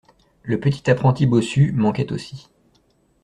Le petit apprenti bossu manquait aussi.